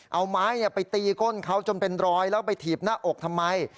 เอาไม้ไปตีก้นเขาจนเป็นรอยแล้วไปถีบหน้าอกทำไม